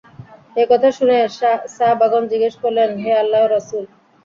একথা শুনে সাহাবাগণ জিজ্ঞেস করলেন, হে আল্লাহর রাসূল!